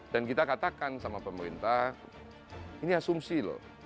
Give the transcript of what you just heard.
dan kita katakan sama pemerintah ini asumsi loh